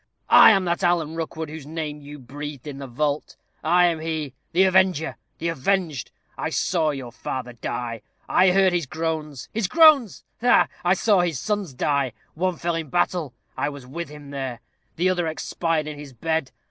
I am that Alan Rookwood whose name you breathed in the vault. I am he, the avenger the avenged. I saw your father die. I heard his groans his groans! ha, ha! I saw his sons die: one fell in battle I was with him there. The other expired in his bed.